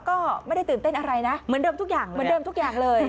ก็ไม่ได้ตื่นเต้นอะไรนะเหมือนเดิมทุกอย่างเลย